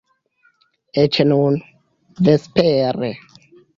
Eĉ nun, vespere.